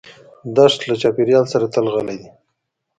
دښته له چاپېریال سره تل غلي ده.